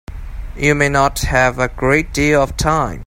You may not have a great deal of time.